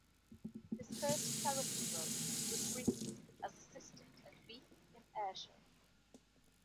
His first clerical role was briefly as assistant at Beith in Ayrshire.